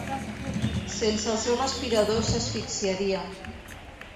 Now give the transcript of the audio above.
Sense el seu respirador s'asfixiaria.